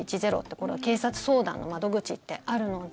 これ、警察相談の窓口ってあるので。